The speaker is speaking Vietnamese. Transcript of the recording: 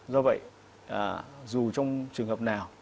do vậy dù trong trường hợp nào